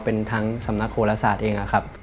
เป็นทั้งสำนักโฆษศาสตร์เองนะครับ